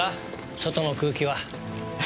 外の空気は。